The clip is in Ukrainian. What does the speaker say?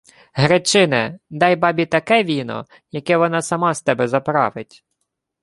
— Гречине! Дай бабі таке віно, яке вона сама з тебе заправить!